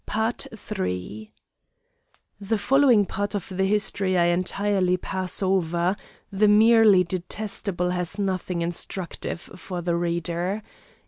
The following part of the history I entirely pass over; the merely detestable has nothing instructive for the reader.